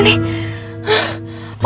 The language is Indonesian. aku bisa mencoba